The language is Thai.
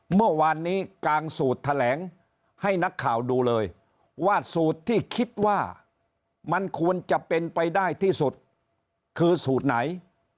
เมื่อวานนี้กลางสูตรแถลงให้นักข่าวดูเลยว่าสูตรที่คิดว่ามันควรจะเป็นไปได้ที่สุดคือสูตรไหน